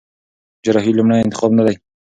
جراحي لومړی انتخاب نه دی.